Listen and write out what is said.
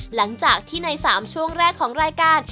หลังจากที่ใน๓ช่วงแรกของรายการ